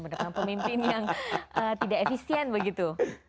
menurut anda pemimpin yang tidak efisien begitu